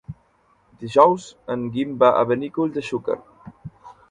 Dijous en Guim va a Benicull de Xúquer.